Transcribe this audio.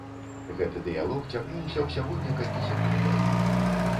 Гэты дыялог цягнуўся ўсяго некалькі секундаў.